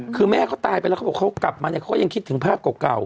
คือแม่เขาตายไปแล้วเขากลับมาก็ยังคิดถึงภาพเก่า